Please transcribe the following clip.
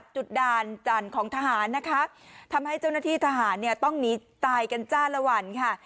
จุดด่านจันทร์ของทหารนะคะทำให้เจ้าหน้าที่ทหารเนี่ยต้องหนีตายกันจ้าละวันค่ะ